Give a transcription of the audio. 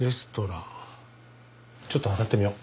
ちょっとあたってみよう。